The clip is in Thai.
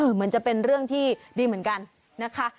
เหมือนจะเป็นเรื่องที่ดีเหมือนกันนะคะ